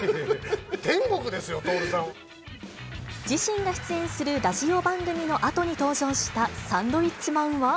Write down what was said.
天国ですよ、自身が出演するラジオ番組のあとに登場したサンドウィッチマンは。